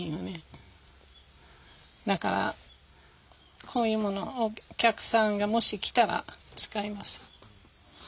だからこういうものをお客さんがもし来たら使います。